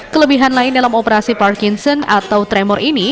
kelebihan lain dalam operasi parkinson atau tremor ini